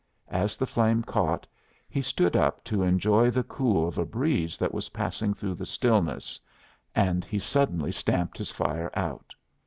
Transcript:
As the flame caught, he stood up to enjoy the cool of a breeze that was passing through the stillness, and he suddenly stamped his fire out.